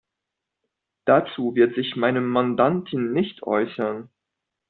Dazu wird sich meine Mandantin nicht äußern.